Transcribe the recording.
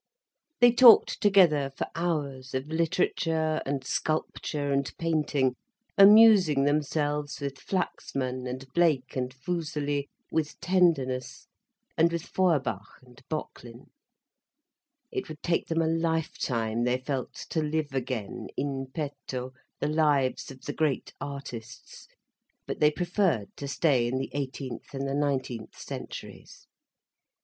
They talked together for hours, of literature and sculpture and painting, amusing themselves with Flaxman and Blake and Fuseli, with tenderness, and with Feuerbach and Böcklin. It would take them a life time, they felt to live again, in petto, the lives of the great artists. But they preferred to stay in the eighteenth and the nineteenth centuries.